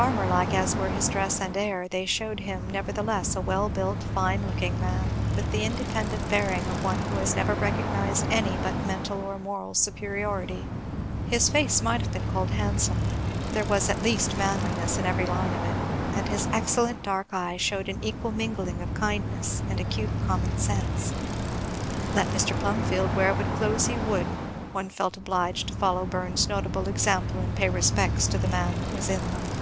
Farmer like as were his dress and air, they shewed him nevertheless a well built, fine looking man, with the independent bearing of one who has never recognised any but mental or moral superiority. His face might have been called handsome; there was at least manliness in every line of it; and his excellent dark eye shewed an equal mingling of kindness and acute common sense. Let Mr. Plumfield wear what clothes he would one felt obliged to follow Burns' notable example and pay respect to the man that was in them.